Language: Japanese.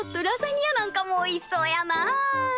ラザニアなんかもおいしそうやなあ。